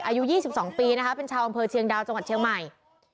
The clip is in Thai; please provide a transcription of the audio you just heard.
อายุ๒๒ปีนะคะเป็นชาวอำเภอเชียงดาวจังหวัดเชียงใหม่